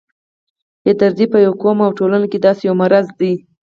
بې دردي په یو قوم او ټولنه کې داسې یو مرض دی.